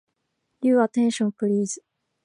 Your attention, please.